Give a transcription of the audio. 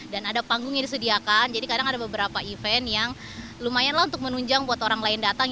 dan ada panggung yang disediakan jadi kadang ada beberapa event yang lumayan lah untuk menunjang buat orang lain datang